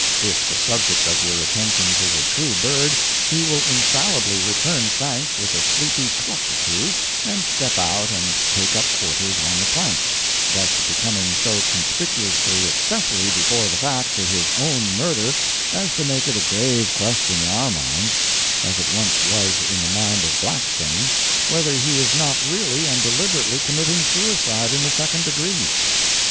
If the subject of your attentions is a true bird, he will infallibly return thanks with a sleepy cluck or two, and step out and take up quarters on the plank, thus becoming so conspicuously accessory before the fact to his own murder as to make it a grave question in our minds as it once was in the mind of Blackstone, whether he is not really and deliberately committing suicide in the second degree.